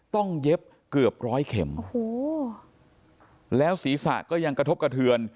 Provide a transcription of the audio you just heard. ต้องเย็บเกือบร้อยเข็มแล้วศรีษะก็ยังกระทบกระเทือน